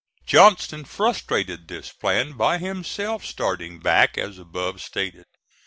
Johnston frustrated this plan by himself starting back as above stated.